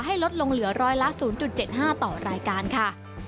ลดลงเหลือร้อยละ๐๗๕ต่อรายการค่ะ